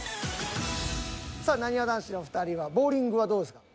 さあなにわ男子のお二人はボウリングはどうですか？